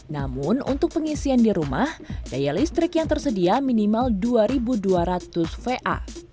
namun untuk pengisian di rumah daya listrik yang tersedia minimal dua dua ratus va